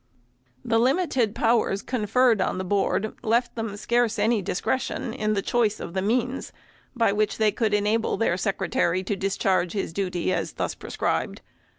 The limited powers conferred on the Board left them scarce any discretion in the choice of the means, by which they could enable their Secretary to discharge his duty as thus prescribed.